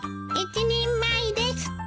一人前です。